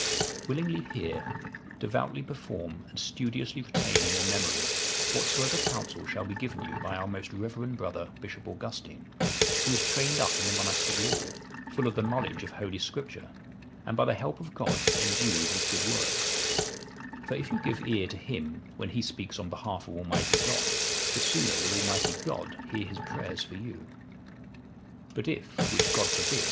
"Willingly hear, devoutly perform, and studiously retain in your memory, whatsoever counsel shall be given you by our most reverend brother, Bishop Augustine, who is trained up in the monastic rule, full of the knowledge of Holy Scripture, and, by the help of God, endued with good works; for if you give ear to him when he speaks on behalf of Almighty God, the sooner will Almighty God hear his prayers for you. But if (which God forbid!)